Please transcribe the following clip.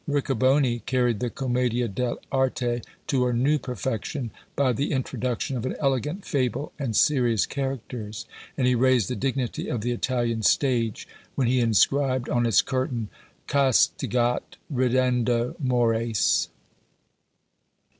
Riccoboni carried the Commedie dell' Arte to a new perfection, by the introduction of an elegant fable and serious characters; and he raised the dignity of the Italian stage, when he inscribed on its curtain, "CASTIGAT RIDENDO MORES."